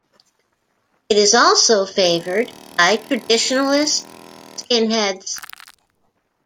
It is also favoured by traditionalist skinheads.